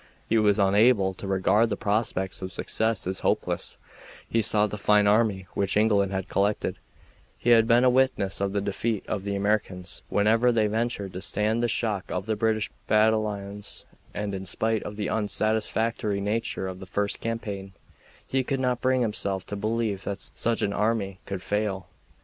He was unable to regard the prospects of success as hopeless; he saw the fine army which England had collected; he had been a witness of the defeat of the Americans whenever they ventured to stand the shock of the British battalions; and in spite of the unsatisfactory nature of the first campaign, he could not bring himself to believe that such an army could fail.